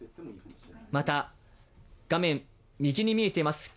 また、画面右に見えています